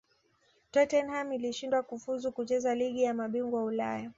tottenham ilishindwa kufuzu kucheza ligi ya mabingwa ulaya